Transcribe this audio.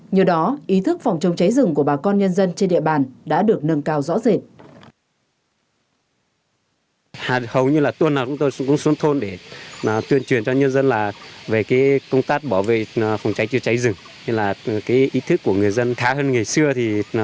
nhờ đó ý thức phòng chống cháy rừng của bà con nhân dân trên địa bàn đã được nâng cao rõ rệt